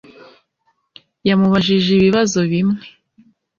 Yamubajije ibibazo bimwe